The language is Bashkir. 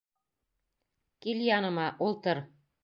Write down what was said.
Кил яныма, ултыр.